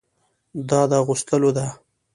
دا د اغوستلو ده.